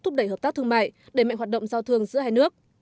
thúc đẩy hợp tác thương mại để mạnh hoạt động giao thương giữa hai nước